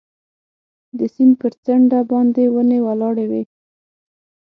د سیند پر څنډه باندې ونې ولاړې وې.